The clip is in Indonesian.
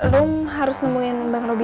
rum harus nemuin bang robi